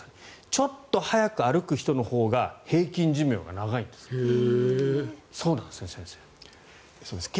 ちょっと速く歩く人のほうが平均寿命が長いんですって。